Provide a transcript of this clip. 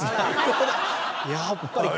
やっぱり。